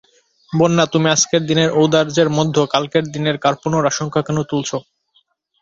বন্যা, তুমি আজকের দিনের ঔদার্যের মধ্যে কালকের দিনের কার্পণ্যের আশঙ্কা কেন তুলছ।